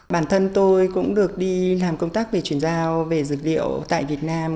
bản thân tôi cũng được đi làm công tác về chuyển giao về dược liệu tại việt nam